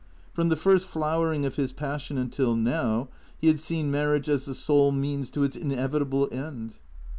From the first flower ing of his passion until now, he had seen marriage as the sole means to its inevitable end.